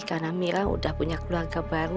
karena mira udah punya keluarga baru